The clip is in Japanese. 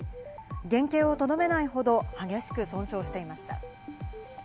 原形をとどめないほど激しく損傷していました。